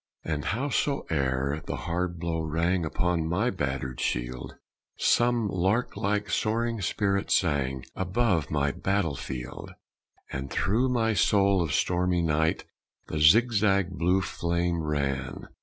And howsoe'er the hard blow rang Upon my battered shield, Some lark like, soaring spirit sang Above my battlefield. And through my soul of stormy night The zigzag blue flame ran.